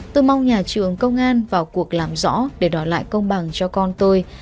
tôi mong nhà trường công an vào cuộc làm rõ để đòi lại công bằng cho con tôi